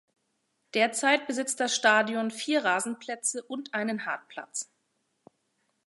Derzeit besitzt das Stadion vier Rasenplätze und einen Hartplatz.